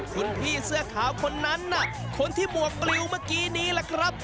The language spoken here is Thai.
คุณพี่เสื้อขาวคนนั้นน่ะคนที่บวกปลิวเมื่อกี้นี้แหละครับ